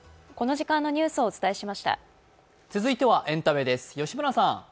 続いてはエンタメです。